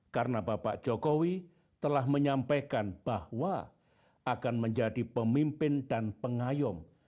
karena bapak jokowi telah menyampaikan bahwa akan menjadi pemimpin dan pengayom